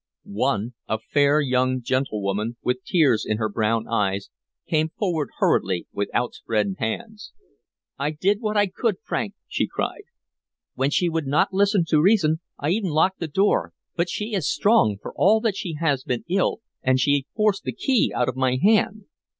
One, a fair young gentlewoman, with tears in her brown eyes, came forward hurriedly with outspread hands. "I did what I could, Frank!" she cried. "When she would not listen to reason, I e'en locked the door; but she is strong, for all that she has been ill, and she forced the key out of my hand!"